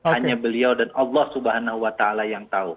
hanya beliau dan allah swt yang tahu